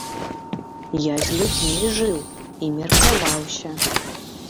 Я з людзьмі жыў і меркаваўся.